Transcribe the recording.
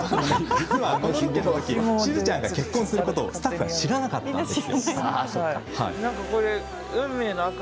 実は、このロケの時しずちゃんが結婚することをスタッフは知らなかったんです。